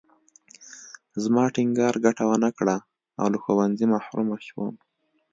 زما ټینګار ګټه ونه کړه او له ښوونځي محرومه شوم